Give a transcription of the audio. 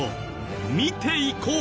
見ていこう。